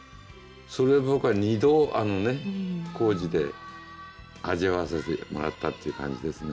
それを僕は２度あのね宏司で味わわせてもらったっていう感じですね。